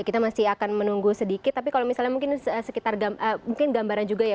kita masih akan menunggu sedikit tapi kalau misalnya mungkin sekitar mungkin gambaran juga ya